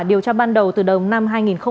điều tra ban đầu từ đầu năm hai nghìn một mươi chín